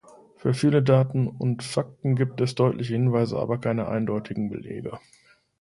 Für viele Daten und Fakten gibt es deutliche Hinweise, aber keine eindeutigen Belege.